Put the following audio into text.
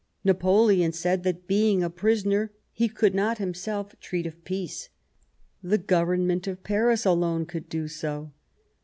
Napoleon said that, being a prisoner, he could not himself treat of peace ; the Government of Paris alone could do so.